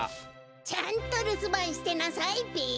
ちゃんとるすばんしてなさいべ。